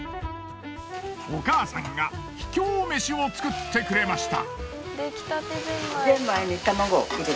お母さんが秘境めしを作ってくれました。